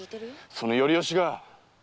その頼致が！